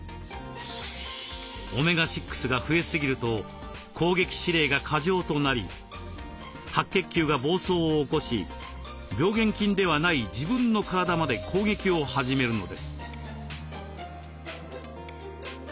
オメガ６が増えすぎると攻撃指令が過剰となり白血球が暴走を起こし病原菌ではない自分の体まで攻撃を始めるのです。